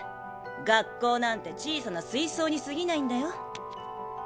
学校なんて小さな水槽にすぎないんだよ